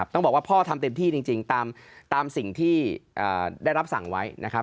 ต้องบอกว่าพ่อทำเต็มที่จริงตามสิ่งที่ได้รับสั่งไว้นะครับ